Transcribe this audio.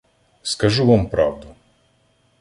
— Скажу вам правду.